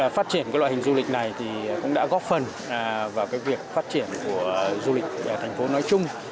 phát triển loại hình du lịch này thì cũng đã góp phần vào việc phát triển của du lịch thành phố nói chung